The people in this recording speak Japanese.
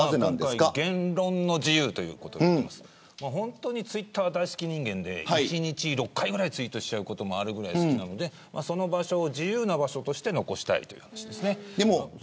言論の自由ということで本当にツイッター大好き人間で１日６回ぐらいツイートしちゃうこともあるぐらい好きなのでその場所を自由な場所として残したい、という話です。